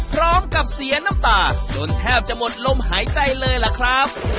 พร้อมกับเสียน้ำตาจนแทบจะหมดลมหายใจเลยล่ะครับ